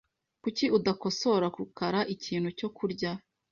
Kuki udakosora rukara ikintu cyo kurya?